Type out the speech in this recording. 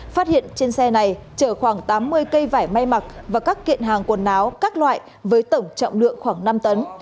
phát hiện trên xe này chở khoảng tám mươi cây vải may mặc và các kiện hàng quần áo các loại với tổng trọng lượng khoảng năm tấn